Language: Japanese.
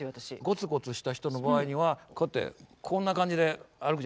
ゴツゴツした人の場合にはこうやってこんな感じで歩くじゃないですか。